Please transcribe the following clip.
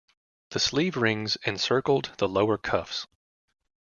The sleeve rings encircled the lower cuffs.